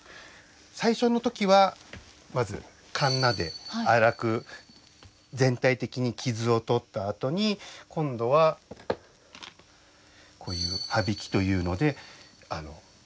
最初の時はまずかんなで粗く全体的に傷を取ったあとに今度はこういうはびきというので平らにならす。